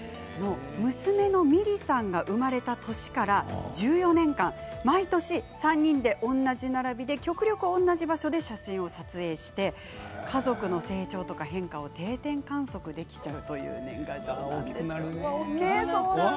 娘のミリさんが生まれた年から１４年間、毎年３人で同じ並びで極力同じ場所で写真を撮影して家族の成長とか変化を定点観測できちゃうという年賀状なんです。